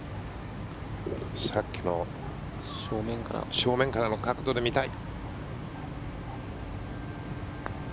さっきの正面からの角度で見たい。